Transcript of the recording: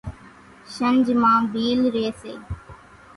شنجھ مان ڀيل ريئيَ سي۔